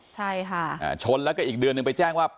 ใช่ค่ะชนแล้วก็อีกเดือนหนึ่งไปแจ้งว่า